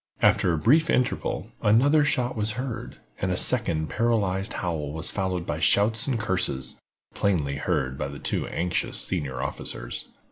After a brief interval, another shot was heard, and a second paralyzed howl was followed by shouts and curses, plainly heard by the two anxious senior officers.